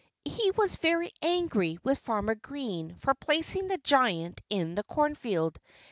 He was very angry with Farmer Green for placing the giant in the cornfield.